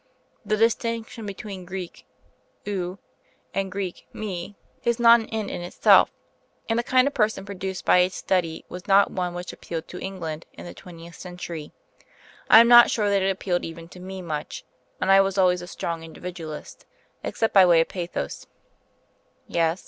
The distinction between ου and με is not an end in itself; and the kind of person produced by its study was not one which appealed to England in the twentieth century. I am not sure that it appealed even to me much (and I was always a strong Individualist) except by way of pathos " "Yes?"